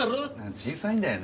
小さいんだよね。